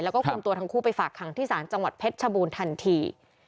แล้วก็คุมตัวทั้งคู่ไปฝากขังที่ศาลจังหวัดเพชรชบูรณทันที